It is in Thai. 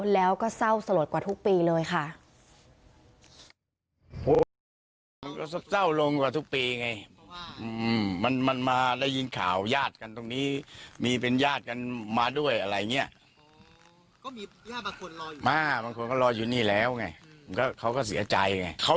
แล้วก็เศร้าสลดกว่าทุกปีเลยค่ะ